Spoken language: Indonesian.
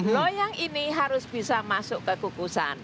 loyang ini harus bisa masuk ke kukusan